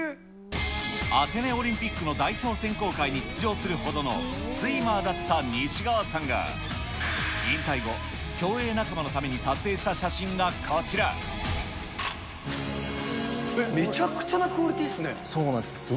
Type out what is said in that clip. アテネオリンピックの代表選考会に出場するほどのスイマーだった西川さんが、引退後、競泳仲めちゃくちゃなクオリティーそうなんです。